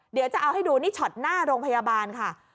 เดี๋ยวจะเอาให้ดูนี่ช็อตหน้าโรงพยาบาลค่ะ